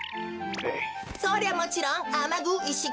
そりゃもちろんあまぐいっしき。